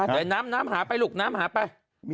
อ่าไม่เป็นไร